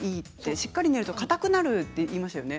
しっかり練るとかたくなるって言いましたよね。